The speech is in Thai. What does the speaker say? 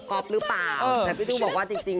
ก็เลยค้าให้แกมาถามนิดนึง